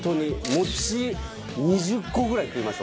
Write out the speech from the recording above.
餅２０個ぐらい食いました